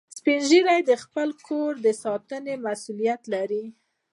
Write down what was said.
سپین ږیری د خپلو کورو د ساتنې مسؤولیت لري